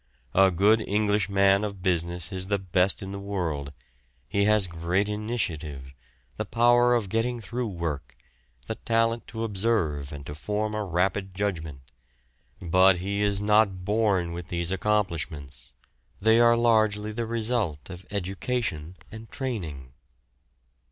A good English man of business is the best in the world, he has great initiative, the power of getting through work, the talent to observe and to form a rapid judgment, but he is not born with these accomplishments, they are largely the result of education and training.